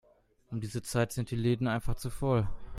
Um diese Zeit sind die Läden einfach zu voll.